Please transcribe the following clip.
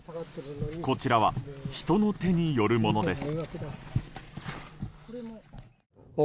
こちらは人の手によるものです。